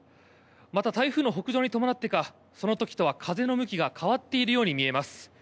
また、台風の北上に伴ってかその時とは風の向きが変わっているように見えます。